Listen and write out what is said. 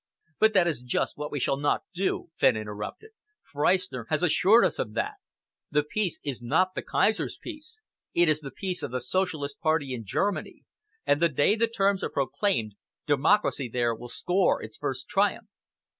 "But that is just what we shall not do," Fenn interrupted. "Freistner has assured us of that. The peace is not the Kaiser's peace. It is the peace of the Socialist Party in Germany, and the day the terms are proclaimed, democracy there will score its first triumph."